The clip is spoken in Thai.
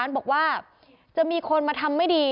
บอกว่าจะมีคนมาทำไม่ดี